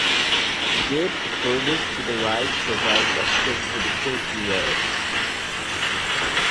The gate furthest to the right provides access to the courtyard.